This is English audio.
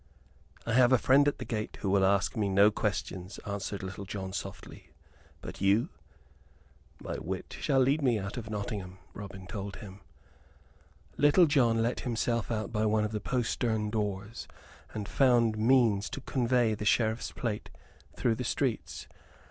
"I have a friend at the gate who will ask me no questions," answered Little John, softly. "But you?" "My wit shall lead me out from Nottingham," Robin told him. Little John let himself out by one of the postern doors, and found means to convey the Sheriff's plate through the streets.